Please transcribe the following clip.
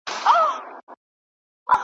نګهبان مي خپل ازل دی د دښتونو لاله زار یم `